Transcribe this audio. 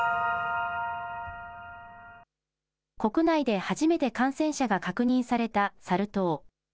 国内で初めて感染者が確認されたサル痘。